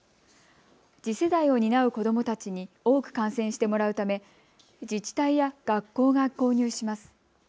次世代を担う子どもたちに多く観戦してもらうため自治体や学校が購入します。